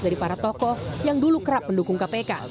dari para tokoh yang dulu kerap mendukung kpk